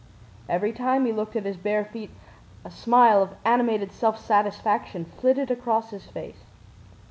Every time he looked at his bare feet a smile of animated self satisfaction flitted across his face.